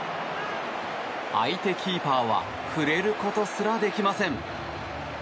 相手キーパーは触れることすらできません。